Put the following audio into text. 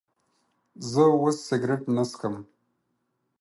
زه اوس سيګرټ نه سکم